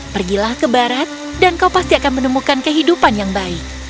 pergilah ke barat dan kau pasti akan menemukan kehidupan yang baik